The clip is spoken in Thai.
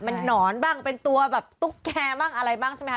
มันหนอนบ้างเป็นตัวแบบตุ๊กแกบ้างอะไรบ้างใช่ไหมค